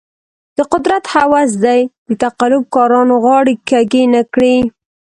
د قدرت هوس دې د تقلب کارانو غاړې کږې نه کړي.